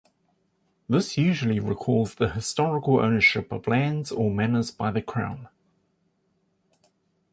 This usually recalls the historical ownership of lands or manors by the Crown.